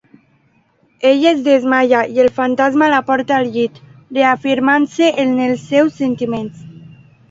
Ella es desmaia, i el Fantasma la porta al llit, reafirmant-se en els seus sentiments.